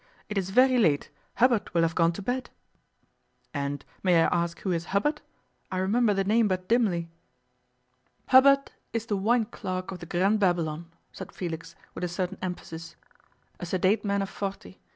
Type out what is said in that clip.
It is very late: Hubbard will have gone to bed.' 'And may I ask who is Hubbard? I remember the name but dimly.' 'Hubbard is the wine clerk of the Grand Babylon,' said Felix, with a certain emphasis. 'A sedate man of forty.